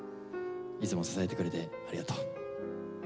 いつも支えてくれてありがとう。